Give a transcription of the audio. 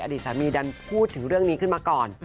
อดีตสามีดันพูดถึงเรื่องนี้ขึ้นมาก่อน